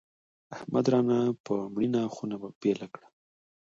احمد رانه په مړینه خونه بېله کړه.